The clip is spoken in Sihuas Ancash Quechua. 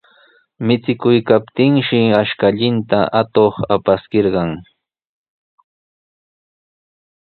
Michikuykaptinshi ashkallanta atuq apaskirqan.